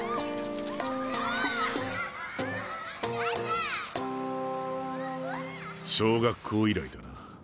・・ワーッ・小学校以来だな。